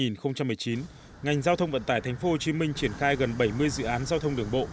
năm hai nghìn một mươi chín ngành giao thông vận tải tp hcm triển khai gần bảy mươi dự án giao thông đường bộ